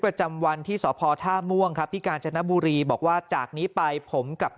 ประจำวันที่สพท่าม่วงครับที่กาญจนบุรีบอกว่าจากนี้ไปผมกับ